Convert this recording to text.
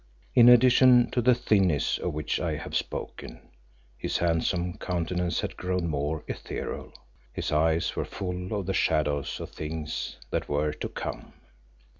In addition to the thinness of which I have spoken, his handsome countenance had grown more ethereal; his eyes were full of the shadows of things that were to come.